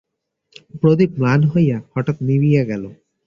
প্রদীপ ম্লান হইয়া হঠাৎ নিবিয়া গেল।